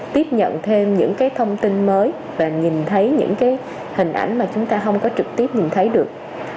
tiếp nhận thêm những cái thông tin mới và nhìn thấy những cái hình ảnh mà chúng ta không có trực tiếp nhìn thấy được